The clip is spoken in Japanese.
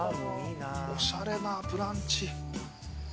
おしゃれなブランチ。